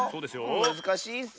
むずかしいッス！